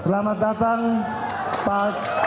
selamat datang pak hoch